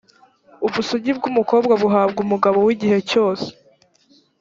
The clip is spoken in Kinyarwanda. ubusugi bwumukobwa buhabwa umugabo wigihe cyose,